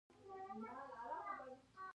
په دې کار کې باید د خلکو لپاره د ګډون امکان وي.